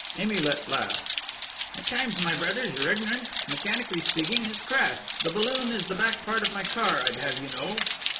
Emilet laughed. "At times, my brothers, your ignorance, mechanically speaking, is crass!... The balloon is the back part of my car, I'd have you know."